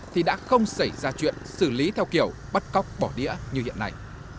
thì đã không xảy ra chuyện xử lý theo kiểu bắt cóc bỏ đĩa như hiện nay